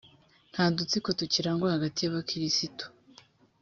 nta dutsiko tukirangwa hagati y abakirisito